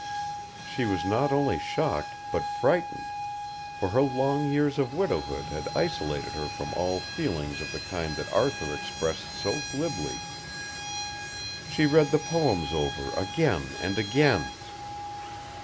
She was not only shocked, but frightened, for her long years of widowhood had isolated her from all feelings of the kind that Arthur expressed so glibly. She read the poems over again and again.